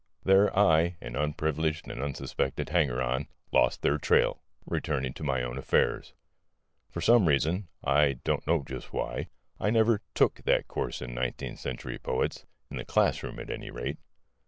There I, an unprivileged and unsuspected hanger on, lost their trail, returning to my own affairs. For some reason I don't know just why I never "took" that course in Nineteenth Century Poets, in the classroom at any rate.